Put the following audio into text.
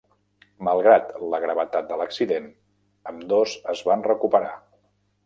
Malgrat la gravetat de l'accident, ambdós es van recuperar.